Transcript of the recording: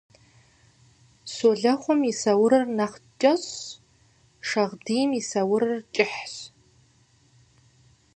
Щолэхъум и саурыр нэхъ кӀэщӀщ, шагъдийм и саурыр кӀыхьщ.